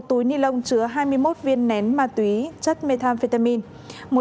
một túi nilon chứa hai mươi một viên nén ma túy chất methamphetamine